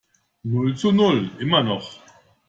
Null zu Null, immer noch.